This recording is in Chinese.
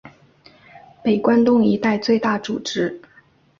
北关东一带最大组织。